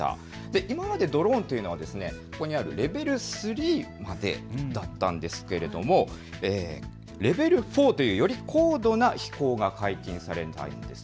今までドローンというのはここにあるレベル３までだったんですがレベル４という、より高度な飛行が解禁されたんです。